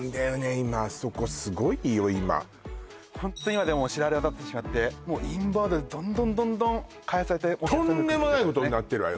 今あそこすごいよ今ホント今ではもう知られ渡ってしまってもうインバウンドでどんどんどんどん開発されてとんでもないことになってるわよ